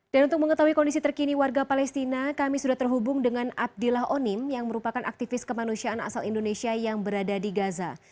dan untuk mengetahui kondisi terkini warga palestina kami sudah terhubung dengan abdillah onim yang merupakan aktivis kemanusiaan asal indonesia yang berada di gaza